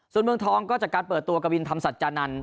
ส่วนเมืองทองก็จากการเปิดตัวกวินธรรมสัจจานันท